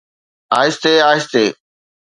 آهستي آهستي.